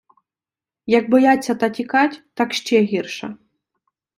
- Як бояться та тікать, так ще гірше.